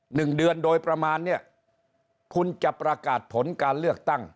หนึ่งเดือนโดยประมาณเนี่ยคุณจะประกาศผลการเลือกตั้ง